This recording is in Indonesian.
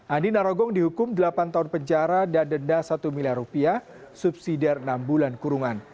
andi narogong dihukum delapan tahun penjara dan denda satu miliar rupiah subsidiar enam bulan kurungan